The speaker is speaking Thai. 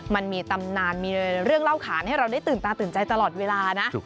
มันมีตำนานมีเรื่องเล่าขานให้เราได้ตื่นตาตื่นใจตลอดเวลานะ